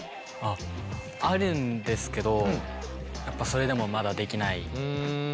あるんですけどやっぱそれでもまだできない。